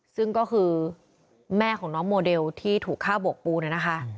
ซึ่งก็คือแม่ของน้องโมเดลที่ถูกฆ่าโบกปูเนี่ยนะคะ